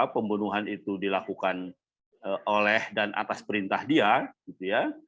pembunuhan itu dilakukan oleh dan atas perintah dia